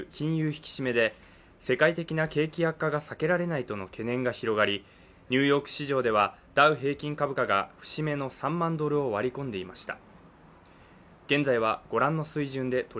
引き締めで、世界的な景気悪化が避けられないとの懸念が広がり、ニューヨーク市場ではダウ平均株価が節目の３万ドルを割り込んでいました。